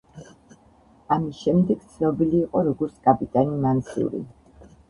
ამის შემდეგ ცნობილი იყო როგორც „კაპიტანი მანსური“.